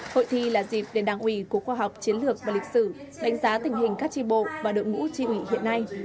hội thi là dịp để đảng ủy cục khoa học chiến lược và lịch sử đánh giá tình hình các tri bộ và đội ngũ tri ủy hiện nay